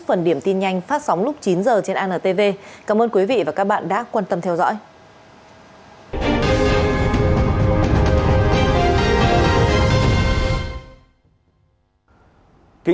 phần điểm tin nhanh phát sóng lúc chín h trên antv cảm ơn quý vị và các bạn đã quan tâm theo dõi